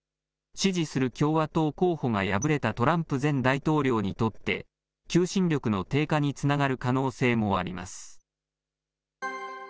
支持する共和党候補が敗れたトランプ前大統領にとって、求心力の低下につながる可能性もあります。